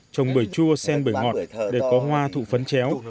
trồng bưởi chua sen bưởi ngọt để có hoa thụ phấn chéo